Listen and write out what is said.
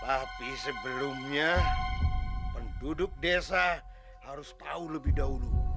tapi sebelumnya penduduk desa harus tahu lebih dahulu